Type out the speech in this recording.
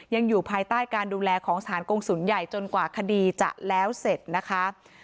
ยังอยู่ภายใต้การดูแลของสถานกงศูนย์ใหญ่จนกว่าคดีจะแล้วเสร็จนะคะ